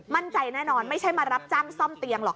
มั่นใจแน่นอนไม่ใช่มารับจ้างซ่อมเตียงหรอก